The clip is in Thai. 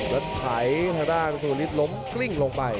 แล้วไถทางด้านสูฤทธิล้มกลิ้งลงไป